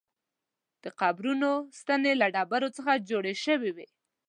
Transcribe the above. د قبرونو ستنې له ډبرو څخه جوړې شوې وې.